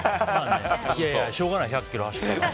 しょうがない１００ｋｍ走ったから。